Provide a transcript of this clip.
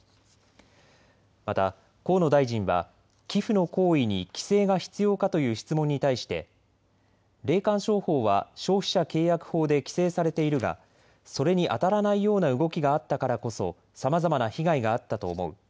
また河野大臣は寄付の行為に規制が必要かという質問に対して霊感商法は消費者契約法で規制されているがそれに当たらないような動きがあったからこそさまざまな被害があったと思う。